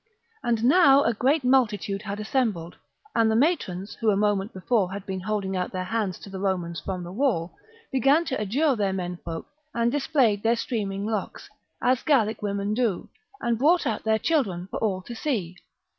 And now a great multitude had assembled, and the matrons, who a moment before had been holding out their hands to the Romans from the wall, began to adjure their men folk and displayed their streaming locks, as Gallic women do, and brought out their children for all to see.